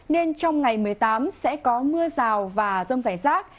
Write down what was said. nên trong ngày một mươi tám sẽ có mưa rào và rông rải rác